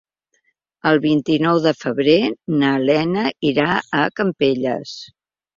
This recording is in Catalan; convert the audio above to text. El vint-i-nou de febrer na Lena irà a Campelles.